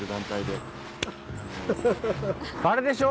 あれでしょ？